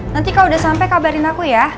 nanti kalau udah sampai kabarin aku ya